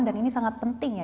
dan ini sangat penting ya